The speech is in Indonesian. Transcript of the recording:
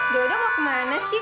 dodo mau kemana sih